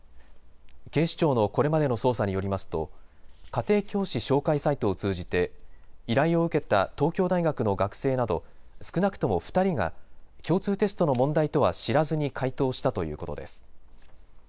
警視庁のこれまでの捜査によりますと家庭教師紹介サイトを通じて依頼を受けた東京大学の学生など少なくとも２人が共通テストの問題とは知らずに解答したということです。